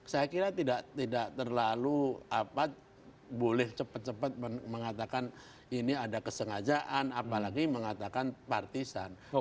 saya kira tidak terlalu boleh cepat cepat mengatakan ini ada kesengajaan apalagi mengatakan partisan